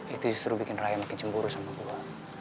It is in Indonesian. itu justru bikin raya makin cemburu sama gue